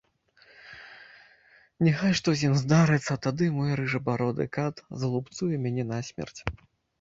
Няхай што з імі здарыцца, тады мой рыжабароды кат залупцуе мяне насмерць.